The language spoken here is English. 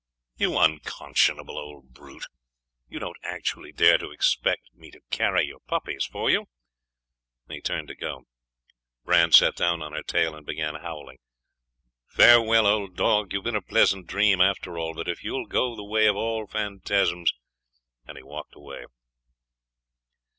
'You unconscionable old brute! You don't actually dare to expect the to carry your puppies for you?' and he turned to go. Bran sat down on her tail and began howling. 'Farewell, old dog! you have been a pleasant dream after all.... But if you will go the way of all phantasms.'.... And he walked away.